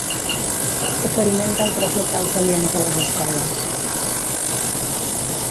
Oferiment d’altres locals aliens a les escoles.